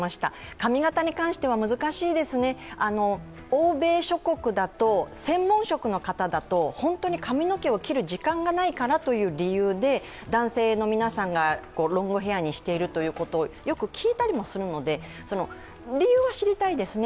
髪型に関しては難しいですね、欧米諸国だと専門職の方だと髪の毛を切る時間がないからという理由で男性の皆さんがロングヘアにしているということをよく聞いたりもするので理由はしりたいですね。